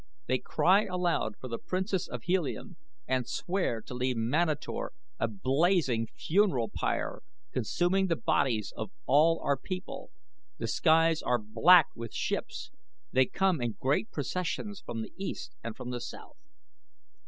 They cry aloud for the Princess of Helium and swear to leave Manator a blazing funeral pyre consuming the bodies of all our people. The skies are black with ships. They come in great processions from the east and from the south."